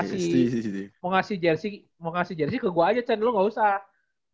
nah ini kalo kak coko udah mau ngasih jersey ke gua aja lo gausah